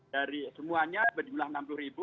dari semuanya berjumlah rp enam puluh